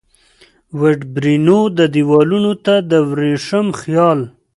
وډبرینو دیوالونو ته د وریښم خیال